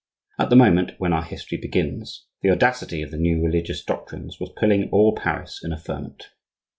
At the moment when our history begins, the audacity of the new religious doctrines was putting all Paris in a ferment.